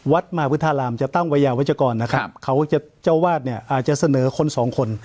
วัดมาพุทธารามจะตั้งวัยยาวัชกรนะครับเขาจะเจ้าวาดเนี่ยอาจจะเสนอคนสองคน